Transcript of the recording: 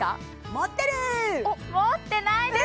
持ってないです！